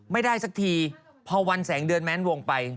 ไม่ได้สักทีพอวันแสงเดือนแม้นวงไป